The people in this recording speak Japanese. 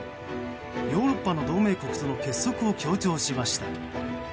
ヨーロッパの同盟国との結束を強調しました。